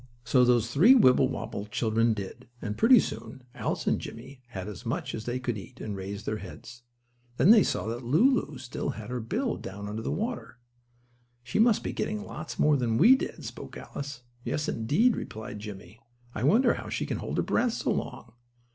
So those three Wibblewobble children did, and pretty soon, Alice and Jimmie had as much as they could eat, and raised their heads. Then they saw that Lulu still had her bill down under the water. "She must be getting lots more than we did," spoke Alice. "Yes, indeed," replied Jimmie. "I wonder how she can hold her breath so long?"